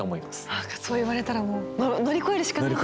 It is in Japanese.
何かそう言われたらもう乗り越えるしかないですね。